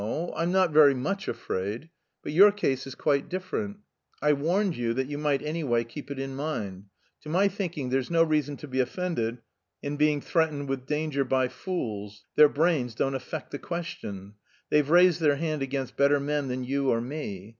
I'm not very much afraid.... But your case is quite different. I warned you that you might anyway keep it in mind. To my thinking there's no reason to be offended in being threatened with danger by fools; their brains don't affect the question. They've raised their hand against better men than you or me.